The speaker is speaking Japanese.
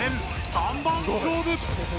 三番勝負。